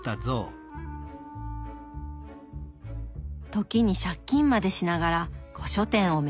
時に借金までしながら古書店を巡る日々。